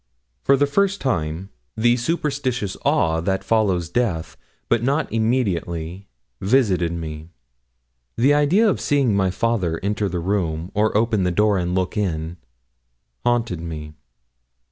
For the first time the superstitious awe that follows death, but not immediately, visited me. The idea of seeing my father enter the room, or open the door and look in, haunted me.